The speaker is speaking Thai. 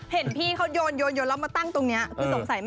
เห็นพี่เขาโยนแล้วมาตั้งตรงนี้